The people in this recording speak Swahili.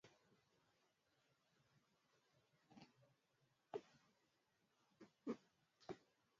filamu kali inayotamba mpaka iliyotengenezwa mwaka elfu moja mia tisa tisini